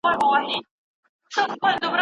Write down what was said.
ارمان کاکا د باغ د هرې ونې کیسه په جلا ډول کوله.